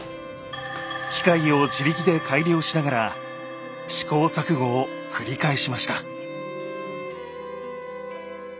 機械を自力で改良しながら試行錯誤を繰り返しました。